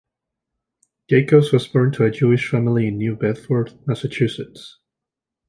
Jacobs was born to a Jewish family in New Bedford, Massachusetts.